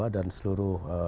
dua ratus dua belas dan seluruh